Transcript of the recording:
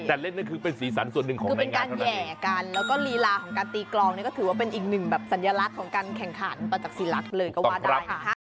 แต่เล่นก็คือเป็นสีสันส่วนหนึ่งของคือเป็นการแห่กันแล้วก็ลีลาของการตีกลองนี่ก็ถือว่าเป็นอีกหนึ่งแบบสัญลักษณ์ของการแข่งขันประจักษีลักษณ์เลยก็ว่าได้นะคะ